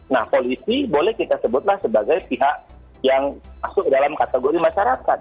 nah polisi boleh kita sebutlah sebagai pihak yang masuk dalam kategori masyarakat